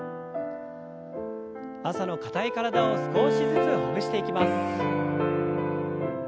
朝の硬い体を少しずつほぐしていきます。